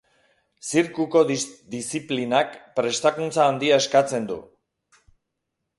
Zirkuko diziplinak prestakuntza handia eskatzen du.